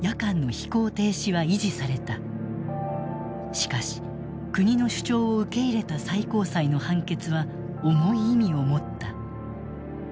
しかし国の主張を受け入れた最高裁の判決は重い意味を持った。